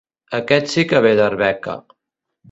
Aquest sí que ve d'Arbeca.